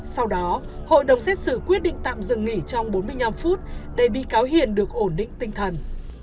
sau đó hội đồng xét xử quyết định tạm dừng nghỉ trong bốn mươi năm phút để bị cáo hiền được ổn định tinh thần